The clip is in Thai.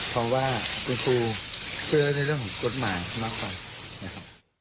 เพราะว่าคุณครูเชื่อในเรื่องของกฎหมายมากกว่านะครับ